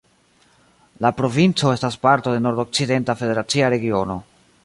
La provinco estas parto de Nordokcidenta federacia regiono.